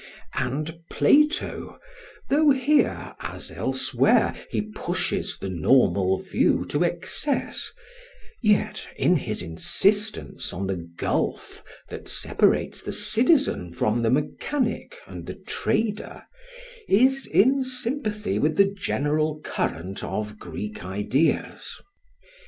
And Plato, though here as elsewhere he pushes the normal view to excess, yet, in his insistence on the gulf that separates the citizen from the mechanic and the trader, is in sympathy with the general current of Greek ideas.